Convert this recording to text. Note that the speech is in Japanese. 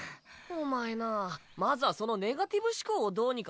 お前なまずはそのネガティブ思考を・